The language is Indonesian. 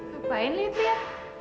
ngapain itu ya